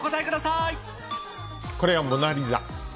これはモナ・リザ。